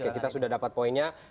oke kita sudah dapat poinnya